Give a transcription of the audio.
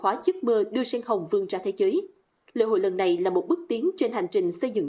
hóa giấc mơ đưa sen hồng vương ra thế giới lễ hội lần này là một bước tiến trên hành trình xây dựng